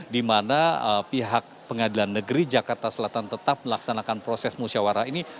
di mana pihak pengadilan negeri jakarta selatan tetap melaksanakan proses musyawarah ini